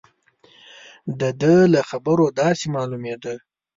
د ده له خبرو داسې معلومېده.